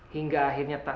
hingga akhirnya tak satupun